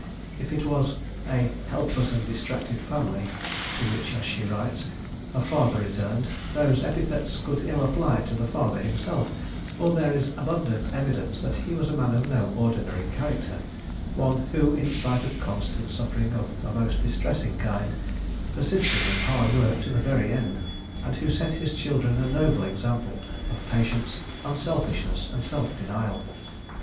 If it was "a helpless and distracted family" to which, as she writes, her father returned, those epithets could ill apply to the father himself, for there is abundant evidence that he was a man of no ordinary character—one who, in spite of constant suffering of a most distressing kind, persisted in hard work to the very end, and who set his children a noble example of patience, unselfishness, and self denial.